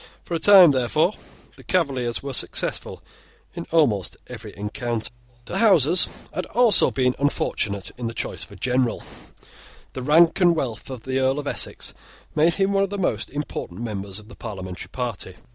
For a time, therefore, the Cavaliers were successful in almost every encounter. The Houses had also been unfortunate in the choice of a general. The rank and wealth of the Earl of Essex made him one of the most important members of the parliamentary party.